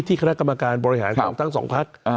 คณะกรรมการบริหารของทั้งสองพัก